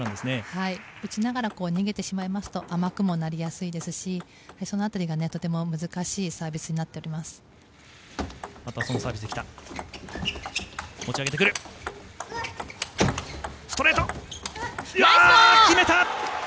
打ちながら逃げてしまいますと甘くもなりやすいですしその辺りがとても難しいサービスになっています。